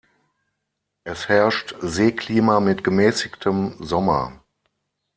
Es herrscht Seeklima mit gemäßigtem Sommer.